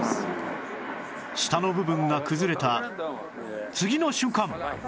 下の部分が崩れた次の瞬間